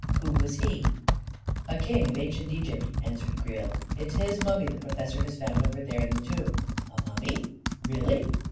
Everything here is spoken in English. " Who was he ?" "A king of ancient Egypt," answered Creel. " It's his mummy the professor has found over there in the tomb." "A mummy? Really?"